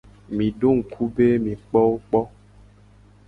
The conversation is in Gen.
Mi do ngku be mi kpo wo kpo.